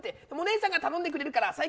でも、お姉さんが頼んでくれるから。